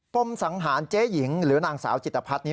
มสังหารเจ๊หญิงหรือนางสาวจิตภัทรนี้